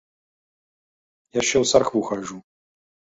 Яшчэ ў царкву хаджу.